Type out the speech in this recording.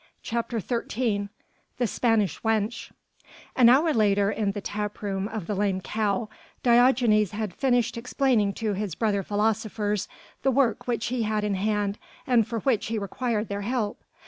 CHAPTER XIII THE SPANISH WENCH An hour later in the tap room of the "Lame Cow" Diogenes had finished explaining to his brother philosophers the work which he had in hand and for which he required their help.